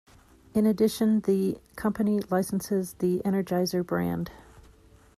In addition the company licenses the Energizer brand.